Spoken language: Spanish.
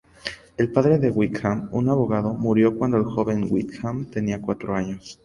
El padre de Wickham, un abogado, murió cuando el joven Wickham tenía cuatro años.